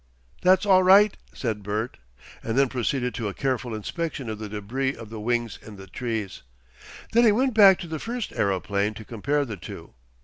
"That's all right," said Bert, and then proceeded to a careful inspection of the debris of the wings in the trees. Then he went back to the first aeroplane to compare the two.